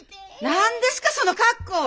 何ですかその格好は！